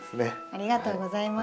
ありがとうございます。